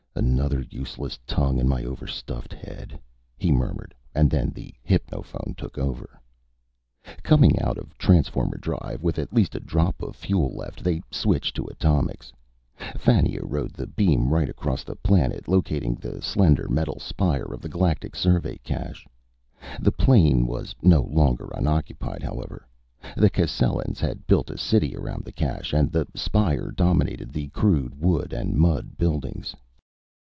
"Another useless tongue in my overstuffed head," he murmured, and then the hypnophone took over. Coming out of transformer drive with at least a drop of fuel left, they switched to atomics. Fannia rode the beam right across the planet, locating the slender metal spire of the Galactic Survey cache. The plain was no longer unoccupied, however. The Cascellans had built a city around the cache, and the spire dominated the crude wood and mud buildings.